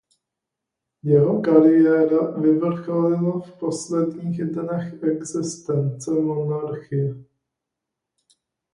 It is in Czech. Jeho kariéra vyvrcholila v posledních dnech existence monarchie.